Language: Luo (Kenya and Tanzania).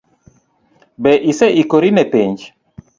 Be ise ikori ne penj?